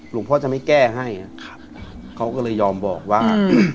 พ่อจะไม่แก้ให้เขาก็เลยยอมบอกว่า